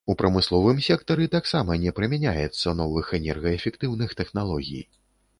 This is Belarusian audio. У прамысловым сектары таксама не прымяняецца новых энергаэфектыўных тэхналогій.